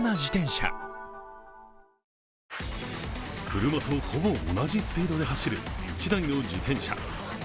車とほぼ同じスピードで走る１台の自転車。